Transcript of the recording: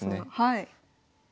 はい。